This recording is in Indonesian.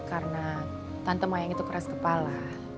karena tante mayang itu keras kepala